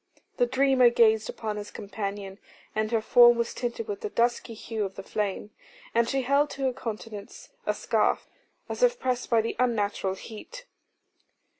The dreamer gazed upon his companion, and her form was tinted with the dusky hue of the flame, and she held to her countenance a scarf, as if pressed by the unnatural heat.